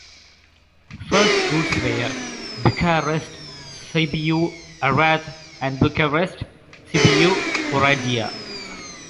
First routes were Bucharest - Sibiu - Arad and Bucharest - Sibiu - Oradea.